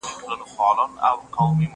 هغه څوک چي مېوې وچوي قوي وي